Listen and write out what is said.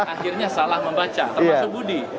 akhirnya salah membaca termasuk budi